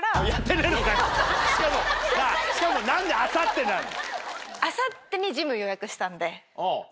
しかも何であさってなんだ？